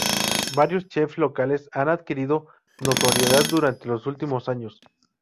Varios chefs locales han adquirido notoriedad durante los últimos años.